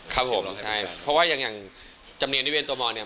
ครับผมใช่เพราะว่าอย่างจำนวนที่เวียนตัวมอร์เนี่ย